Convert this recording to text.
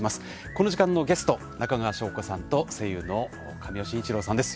この時間のゲストは中川翔子さんと声優の神尾晋一郎さんです。